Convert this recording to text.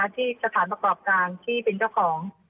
ที่สถานประกอบการที่เป็นเจ้าของ